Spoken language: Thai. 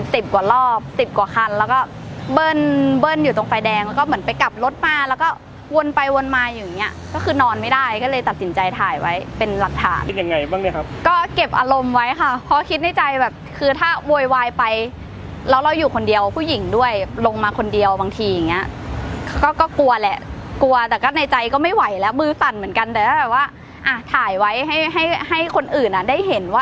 ตรงไฟแดงแล้วก็เหมือนไปกลับรถมาแล้วก็วนไปวนมาอย่างเงี้ยก็คือนอนไม่ได้ก็เลยตัดสินใจถ่ายไว้เป็นหลักฐานคิดยังไงบ้างเนี่ยครับก็เก็บอารมณ์ไว้ค่ะเพราะคิดในใจแบบคือถ้าโวยวายไปแล้วเราอยู่คนเดียวผู้หญิงด้วยลงมาคนเดียวบางทีอย่างเงี้ยก็กลัวแหละกลัวแต่ก็ในใจก็ไม่ไหวแล้วมือสั่นเหมือนก